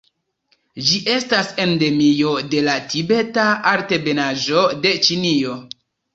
Ĝi estas endemio de la Tibeta Altebenaĵo de Ĉinio.